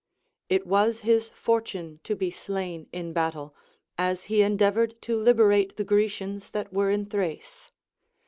It was his fortune to be slain in battle, as he endeavored to liberate the Grecians that Avere in Thrace.